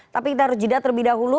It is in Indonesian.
tapi kita harus jeda terlebih dahulu